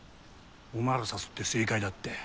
お前ら誘って正解だったよ。